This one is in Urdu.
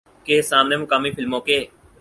کے سامنے مقامی فلموں کے